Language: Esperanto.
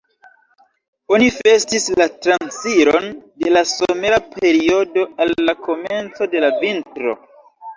Oni festis la transiron de la somera periodo al la komenco de la vintro.